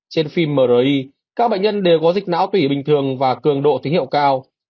trên phim mri các bệnh nhân đều có dịch não tủy bình thường và cường độ thính hiệu cao